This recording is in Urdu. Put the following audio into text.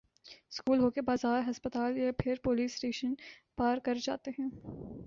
اسکول ہو کہ بازار ہسپتال یا پھر پولیس اسٹیشن پار کر جاتے ہیں